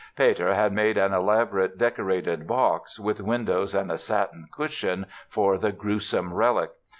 Peter had made an elaborately decorated box (with windows and a satin cushion) for the gruesome relic.